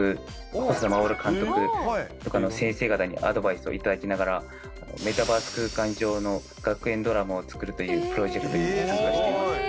細田守監督とかの先生方にアドバイスを頂きながらメタバース空間上の学園ドラマを作るというプロジェクトに参加しています。